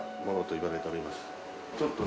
ちょっとね